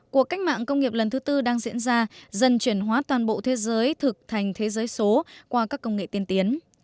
cuộc cách mạng công nghiệp lần thứ tư đang diễn ra dần chuyển hóa toàn bộ thế giới thực thành thế giới số qua các công nghệ tiên tiến